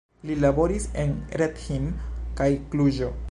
Li laboris en Reghin kaj Kluĵo.